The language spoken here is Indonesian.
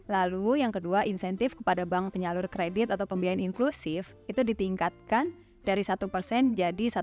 lalu yang kedua insentif kepada bank penyalur kredit atau pembiayaan inklusif itu ditingkatkan dari satu persen jadi satu